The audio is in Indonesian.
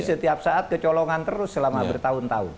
setiap saat kecolongan terus selama bertahun tahun